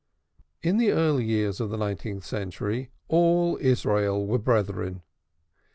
In the early days of the nineteenth century, all Israel were brethren.